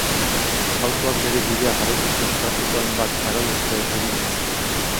Autoak bere bidea jarraitu zuen trafiko hainbat arau-hauste eginez.